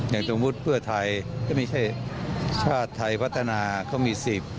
อย่างสมมุติเพื่อไทยก็ไม่ใช่ชาติไทยพัฒนาเขามีสิทธิ์